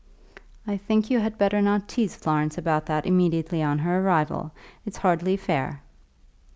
"I think you had better not tease Florence about that immediately on her arrival. It's hardly fair."